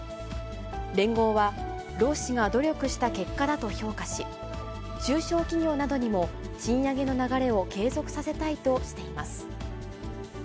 連合は、労使が努力した結果だと評価し、中小企業などにも賃上げの流れを継続させたいとしています。